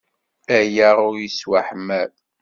Aya ur yettwaḥmal!